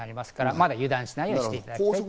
まだ油断しないようにしてください。